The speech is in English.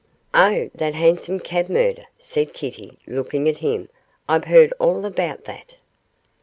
'Oh! that hansom cab murder,' said Kitty, looking at him, 'I've heard all about that.